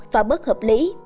và bất hợp lý